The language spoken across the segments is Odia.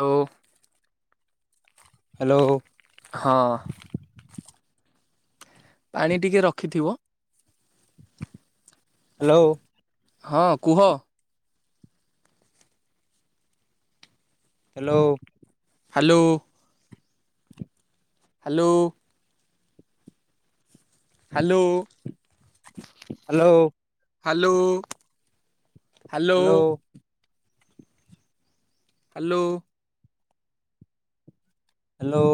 ହ୍ୟାଲୋ। ହ୍ୟାଲୋ। ହଁ। ଆଣି ଟିକେ ରଖିଥିବ। ହ୍ୟାଲୋ। ହଁ କୁହ। Hello. Hello. Hello. Hello hello. Hello. Hello. Hello.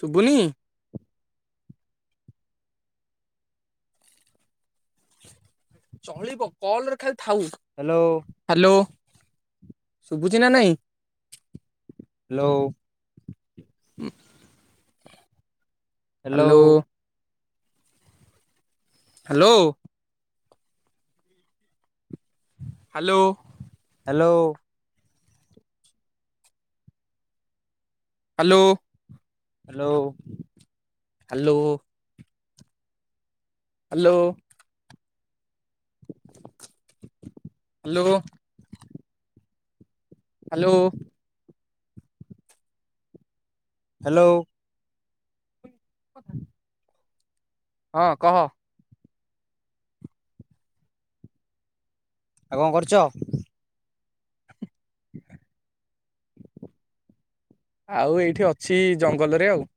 ଶୁଭୁନି? ଚଳିବ କଲରେ ଖାଲି ଥାଉ। ହ୍ୟାଲୋ। ହ୍ୟାଲୋ ଶୁଭୁଛିି ନା ନାଇଁ? ହ୍ୟାଲୋ। ଉଁ hello. Hello. Hello. Hello. Hello. Hello. Hello. Hello. Hello. Hello. Hello. ପକା ହଁ କହ। ଆଉ କଣ କରୁଛ? [inaudible] [inaudible] ଆଉ ଏଇଠି ଅଛି ଜଙ୍ଗଲରେ ଆଉ।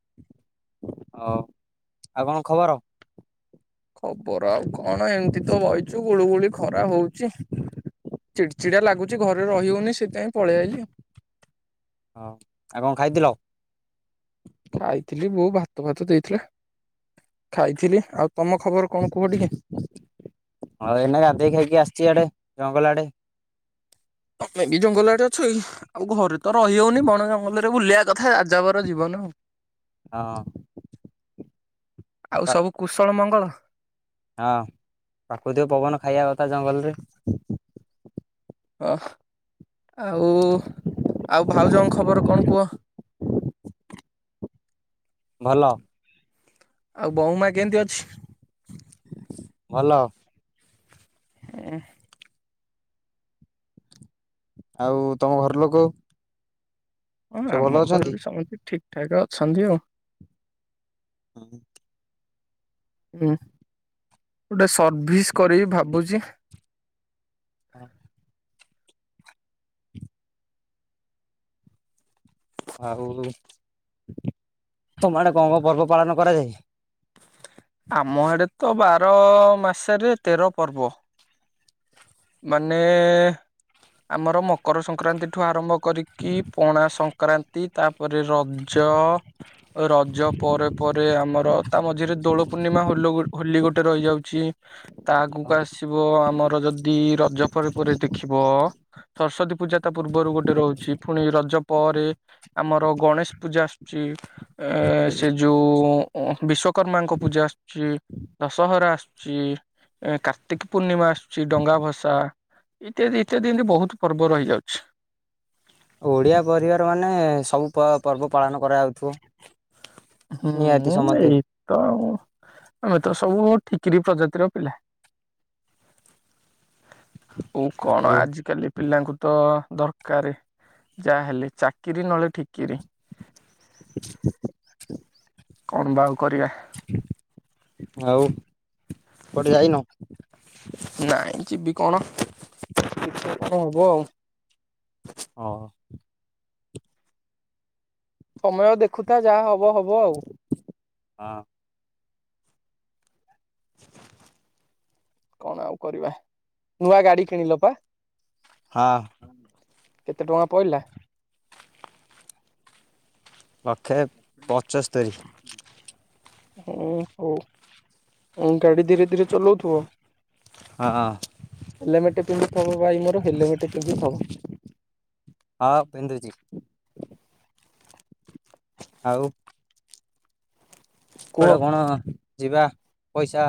ହଉ ଆଉ କଣ ଖବର? ଖବର ଆଉ କଣ? ଏମିତି ତ ବଇଚୁ ଗୁଳୁଗୁଳି ଖରା ହଉଚି। ଚିଡ ଚିଡା ଲାଗୁଛି ଘରେ ରହି ହଉନି ସେଥିପାଇଁ ପଳେଇ ଆଇଲି ଆଉ। ହଁ ଆଉ କଣ ଖାଇଥିଲ? ଖାଇଥିଲି ବୋଉ ଭାତ ଫାତ ଦେଇଥିଲା ଖାଇଥିଲି ଆଉ ତମ ଖବର କଣ କୁହ ଟିକେ? ହଁ ଏନା ଗାଧେଇ ଖାଇକି ଆସିଛି ଆଡେ ଜଙ୍ଗଲ ଆଡେ। [unintelligible] ଆଉ ଘରେ ତ ରହି ହଉନି ବଣ ଜଙ୍ଗଲ ରେ ବୁଲିବା କଥା ଯାଯାବର ଜୀବନ ଆଉ। ହଁ। ଆଉ ପ୍ରା- ସବୁ କୁଶଳ ମଙ୍ଗଳ? ହଁ, ପ୍ରାକୃତିକ ପବନ ଖାଇବା କଥା ଜଙ୍ଗଲରେ। ହଁ ଆଉ ଆଉ ଭାଉଜଙ୍କ ଖବର କଣ କୁହ? ଭଲ। ଆଉ ବୋଉମା କେନ୍ତି ଅଛି? ଭଲ। [unintelligible] ଆଉ ତମ ଘର ଲୋକ? ହଁ ସବୁ ଭଲ ଆମ ଘର ଅଛନ୍ତି? ବି ସମସ୍ତେ ଠିକ୍ ଠାକ୍ ଅଛନ୍ତି ଆଉ। [unintelligible] ହୁଁ, ଗୁଟେ ସର୍ଭିସ୍ କରିବି ଭାବୁଛି। ହଁ। ଆଉ ତମ ଆଡେ କଣ କଣ ପର୍ବ ପାଳନ କରାଯାଏ? ଆମ ଆଡେ ତ ବାର ମାସରେ ତେର ପର୍ବ। ମାନେ ଆମର ମକର ସଂକ୍ରାନ୍ତିଠୁ ଆରମ୍ଭ କରିକି ପଣା ସଂକ୍ ସଂକ୍ରାନ୍ତି ତାପରେ ରଜ ରଜ ପରେ ପରେ ଆମର ତା ମଝିରେ ଦୋଳ ପୂର୍ଣ୍ଣିମା ହୋଲ ହୋଲି ଗୋଟେ ରହିଯାଉଛି ତା ଆଗକୁ ଆସ୍ ଆସିବ ଆମର ଯଦି ରଜ ପରେ ପରେ ଦେଖିବ ସରସ୍ଵତୀ ପୂଜା ତା ପୂର୍ବରୁ ଗୋଟେ ରହୁଛି ପୁଣି ରଜ ପରେ ଆମର ଗଣେଶ ପୂଜା ଆସୁଛି ଏ ସେ ଯୋଉ ବିଶ୍ଵକର୍ମାଙ୍କ ପୂଜା ଆସୁଛି ଦଶହରା ଆସୁଛି। ପୂ ଏ କାର୍ତ୍ତିକ ପୂର୍ଣ୍ଣିମା ଆସୁଛି ଡଙ୍ଗା ଭସା। ଇତ୍ୟାଦି ଇତ୍ୟାଦି ଏମିତି ବହୁତ ପର୍ବ ରହିଯାଉଛି। ଓଡିଆ ପରିବାର ମାନେ ସବୁ ପ ପର୍ବ ପାଳନ କରାଯାଉଥିବ। ନିହାତି ହୁଁ ସମସ୍ତେ [inaudible] ତ ଆଉ ଆମେ ତ ସବୁ ଠିକିରି ପ୍ରଜାତିର ପିଲା। ଓ କଣ? ଆଉ ଆଜ କାଲି ପିଲାଙ୍କୁ ତ ଦରକାର ଯାହା ହେଲେ ଚାକିରି ନହେଲେ ଠିକିରି। [inaudible] କଣ ବା ଆଉ କରିବା? ଆଉ କୁଆଡ଼େ ଯାଇନ? ନାଇଁ ଯିବି କଣ? କଣ ହବ ଆଉ? ହ। ସମୟ ଦେଖୁଥା ଯାହା ହବ ହବ ଆଉ। [inaudible] କଣ ଆଉ କରିବା। ନୂଆ ଗାଡି କିଣିଲ ପା। ହଁ। କେତେ ଟଙ୍କା ପଡ଼ିଲା? ଲକ୍ଷେ ପଞ୍ଚସ୍ତରୀ। ହୁଁ କଉ ହୁଁ ଗାଡ଼ି ଧୀରେ ଧୀରେ ଚଲଉଥିବ। ହଁ। ହେଲେ ମେଟେ ପିନ୍ଧି ଥବ ଭାଇ ମୋର ହେଲେ ମେଟେ ପିନ୍ଧିଥିବ। ହଁ ପିନ୍ଧୁଛି। ଆଉ। କୁହ କୁଆଡେ କଣ ଯିବା ପଇସା?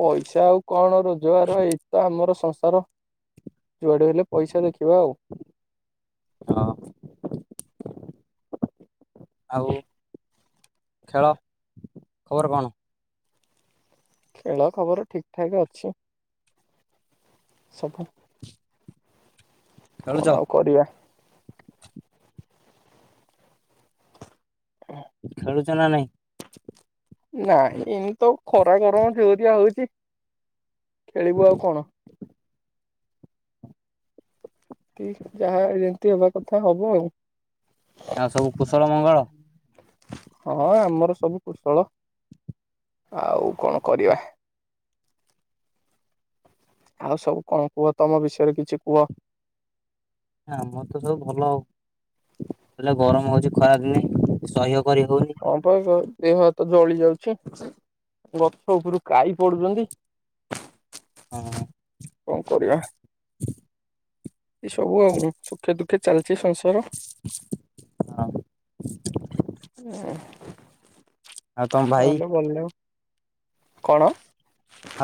ପଇସା ଆଉ କଣ ରୋଜଗାର ଏଇତ ଆମର ସଂସାର? ଯୁଆଡେ ହେଲେ ପଇସା ଦେଖିବା ଆଉ ହଁ [inaudible] ଆଉ ଖେଳ ଖବର କଣ? ଖେଳ ଖବର ଠିକ ଠାକ ଅଛି ସବୁ ଖେଳୁଛ କଣ ଆଉ କରିବା? [unintelligible] ଖେଳୁଛ ନା ନାଇଁ ନାଇଁ ଏଇନେତ ଖରା ଗରମ ଜୋରିଆ ହଉଛି ଖେଳିବୁ ଆଉ କଣ? କି ଯାହା ଯେମିତି ହେବା କଥା ହବ ଆଉ ଆଉ ସବୁ କୁଶଳ ମଙ୍ଗଳ? ହଁ ଆମର ସବୁ କୁଶଳ ଆଉ କଣ କରିବା? ଆଉ ସବୁ କଣ କୁହ ତମ ବିଷୟରେ କିଛି କୁହ? ଆମର ତ ସବୁ ଭଲ ଆଉ। ହେଲେ ଗରମ ହଉଛି ଖରାପ ଦିନେ ସହ୍ୟ କରି ହଉନି। ହଁ ପା ଏଇ ଦେହ ହାତ ଜଳି ଯାଉଛି। ଗଛ ଉପରୁ ଖାଇ ପଡୁଛନ୍ତି। ହଁ। କଣ କରିବା ଏଇ ସବୁ ଆଉ ସୁଖେ ଦୁଃଖେ ଚାଲିଛି ସଂସାର। [unintelligible] [unintelligible] ଆଉ ତମ ଭାଇ ହାଲୋ ହାଲୋ କଣ?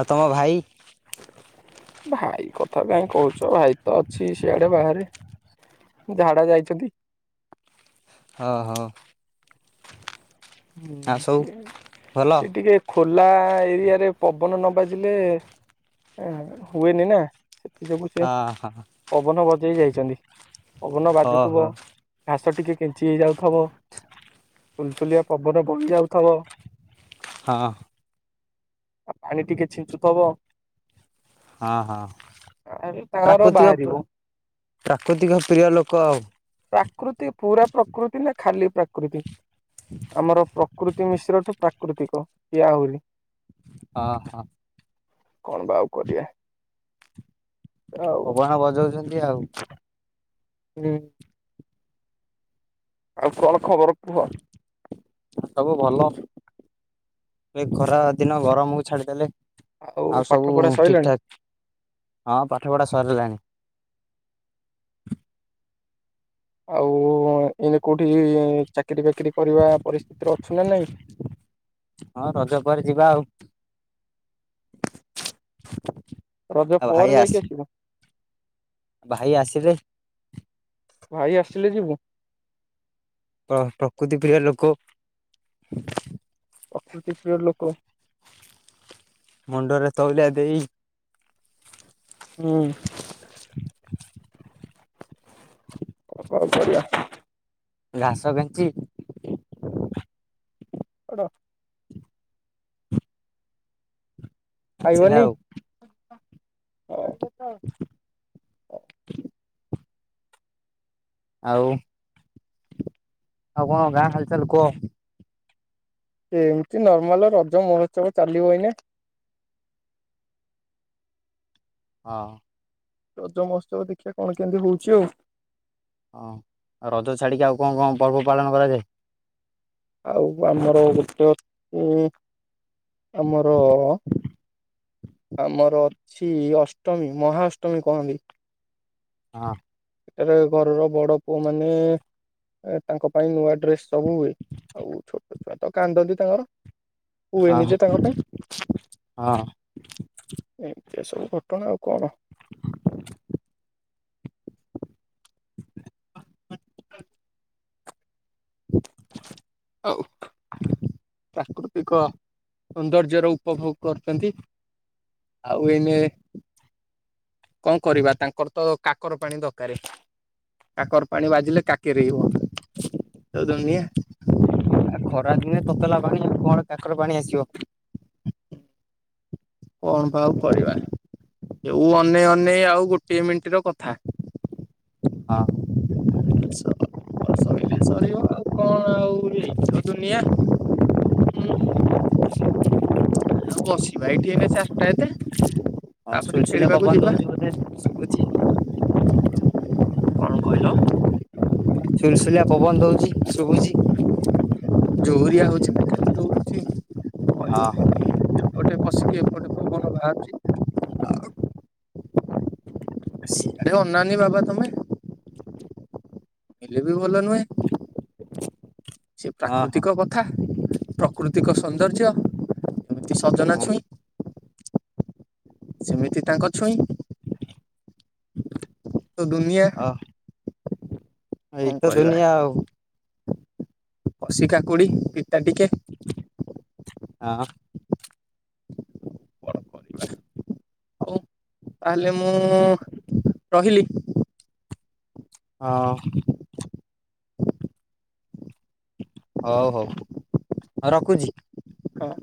ଆଉ ତମ ଭାଇ ଭାଇ କଥା କାଇଁ କହୁଛ ଭାଇ ତ ଅଛି ସିଆଡେ ବାହାରେ ଝାଡା ଯାଇଛନ୍ତି। ଓହୋ। ହୁଁ ଆଉ ସବୁ ସିଏ ଭଲ ସେ ଟିକେ ଖୋଲା ଏରିଆରେ ପବନ ନ ବାଜିଲେ ହୁଏନି ନା। ସେ ଯୋଗୁଁ ସେ ହଁ ହଁ ପବନ ବଜେଇ ଯାଇଛନ୍ତି ପବନ ବାଜୁଥିବ ଓହୋ ଘାସ ଟିକେ କେଞ୍ଚି ହେଇଯାଉଥିବ। ସୁଲସୁଲିଆ ପବନ ବହି ଯାଉଥିବ। ହଁ। ଆଉ ପାଣି ଟିକେ ଛିଞ୍ଚୁ ଥବ ହଁ ହଁ ଆରେ ଘରୁ ପ୍ରାକୃତିକ ବାହାରିବୁ। ପ୍ରାକୃତିକ ପ୍ରିୟ ଲୋକ ଆଉ ପ୍ରାକୃତି ପୁରା ପ୍ରକୃତି ନା ଖାଲି ପ୍ରାକୃତି ଆମର ପ୍ରକୃତି ମିଶ୍ରଠୁ ପ୍ରାକୃତିକ ଇଏ ଆହୁଲି ହଁ ହିଁ କଣ ବା ଆଉ କରିବା ଆଉ ପବନ ବଜଉଛନ୍ତି ଆଉ। [unintelligible] ହୁଁ। ଆଉ କଣ ଖବର କୁହ? ସବୁ ଭଲ ଏ ଖରା ଦିନ ଗରମକୁ ଛାଡିଦେଲେ ଆଉ ପାଠ ସବୁ ପଢା ଠିକ ସରିଲାଣି ଠାକ୍ ହଁ ପାଠ ପଢା ସରିଲାଣି ଆଉ ଏନେ କୋଉଠି ଚାକିରି ବାକିରି କରିବା ପରିସ୍ଥିତିରେ ଅଛୁ ନା ନାଇଁ ହଁ ରଜ ପରେ ଯିବା ଆଉ [inaudible] ରଜ ଆଉ ପରେ ଯାଇକି ଆସିବ ଉ ଭାଇ ଆସିଲେ ଭାଇ ଆସିଲେ ଯିବୁ ପ ପ୍ରକୃତି ପ୍ରିୟ ଲୋକ ପ୍ରକୃତି ପ୍ରିୟ ଲୋକ ମୁଣ୍ଡରେ ତଉଳିଆ ଦେଇ ହଁ କ କୋଉ କରିଆ ଘାସ କେଞ୍ଚି ଏଟ ଆସିଲା ପାଇବନି ଆଉ [inaudible] ଆଉ ଆଉ କ ଗାଁ ହାଲଚାଲ୍ କୁହ ଏମତି ନର୍ମାଲ ରଜ ମହୋତ୍ସବ ଚାଲିବଇନା ହଁ ରଜମସ୍ତକ ଦେଖିବା କଣ କେମିତି ହଉଛି ଆଉ ହଁଉ ରଜ ଛାଡିକି ଆଉ କଣ କଣ ପର୍ବ ପାଳନ କରାଯାଏ? ଆଉ ଆମର ଗୋଟେ ଅଛି ଆମର ଆମର ଅଛି ଅଷ୍ଟମୀ ମହାଷ୍ଟମୀ କହନ୍ତି ହଁ ଏଠାରେ ଘରର ବଡ ପୁଅ ମାନେ ଏ ତାଙ୍କ ପାଇଁ ନୂଆ ଡ୍ରେସ ସବୁ ହୁଏ ଆଉ ଛୋଟ ଛୁଆ ତ କାନ୍ଦନ୍ତି ତାଙ୍କର ହୁଏ ହଁ ନିଜେ ତାଙ୍କ ପାଇଁ ହଁ ଏମିତି ଏ ସବୁ ଘଟଣା ଆଉ କଣ ହୁଁ ହଉ ପ୍ରାକୃତିକ ସୌନ୍ଦର୍ଯ୍ୟ ର ଉପଭୋଗ କରୁଚନ୍ତି। ଆଉ ଏନେ କଣ କରିବା ତାଙ୍କର ତ କାକର ପାଣି ଦରକାରେ କାକର ପାଣି ବାଜିଲେ କାକେରିବ। ମୋଉଛନ୍ତି ଟିକେ ଆ ଖରା ଦିନେ ତୋତଲା ପାଣି କଣ କାକରେ ପାଣି ଆସିବ। କଣ ପା ଆଉ କରିବା ଯୋଉ ଅନେଇ ଅନେଇ ଆଉ ଗୋଟିଏ ମିନିଟ ର କଥା। ହଁ। ଣ [inaudible] ସରିଲ ସରିବ କଣ ଆଉ ଏଇତ ଦୁନିଆ। କି [unintelligible] ଆଉ ବସିବା ଏଇଠି ଏବେ ଚାରଟା ଏତେ ତାପରେ ଖେଳିବାକୁ ଯିବା। ଉଚିତ୍ [unintelligible] କଣ କଇଲ? ସୁଲସୁଲିଆ ପବନ ଦଉଚି ଶୁବୁଚି ଜୋହରିଆ ହଉଛି କି [unintelligible] କାଣ୍ଡଉଛି ହଁ କହିବନି ଏପଟେ ବସିକି ଏପଟେ ପବନ ବାହାରୁଚି। ସେ ଅନାନୀ ବାବା ତମେ ହେଲେ ବି ଭଲ ନୁହେଁ ସେ ହଁ ହଁ ପ୍ରାକୃତିକ କଥା। ପ୍ରକୃତିକ ସୌନ୍ଦର୍ଯ୍ୟ ଏମିତି ସଜନା ହଁ ଛୁଇଁ। ସେମିତି ତାଙ୍କ ଛୁଇଁ ତ ଦୁନିଆ ହଁ। ହ କଣ ଏଇତ କରିବା ଦୁନିଆ ଆଉ କସି କାକୁଡି ପିତା ଟିକେ। ହଁ। କଣ କରିବା [inaudible] ହଉ ତାହେଲେ ମୁଁ ରହିଲି। ହଁ। ହଁ [inaudible] ହଉ ହଉ ହଉ ରଖୁଛି। ହଁ।